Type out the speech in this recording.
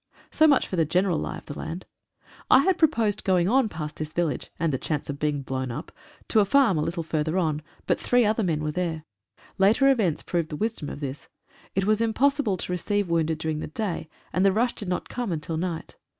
So much for the general lie of the land. I had proposed going on past this vil lage — and the chance of being blown up — to a farm a little further on, but three other men were there. Later events proved the wisdom of this. It was impossible to receive wounded during the day, and the rush did not come until night.